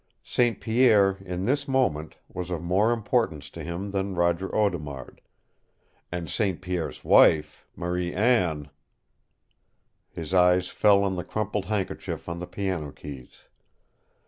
St. Pierre, in this moment, was of more importance to him than Roger Audemard. And St. Pierre's wife, Marie Anne His eyes fell on the crumpled handkerchief on the piano keys.